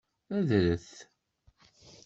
Adret.